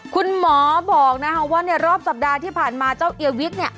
คุณหมอบอกนะคะว่าในรอบสัปดาห์ที่ผ่านมาเจ้าเอียวิกเนี่ย